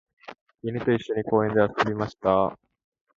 犬と一緒に公園で遊びました。